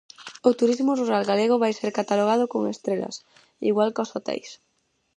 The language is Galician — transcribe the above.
O turismo rural galego vai ser catalogado con estrelas, igual cós hoteis.